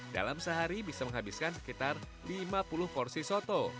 dalam sehari bisa menghabiskan sekitar lima puluh porsi soto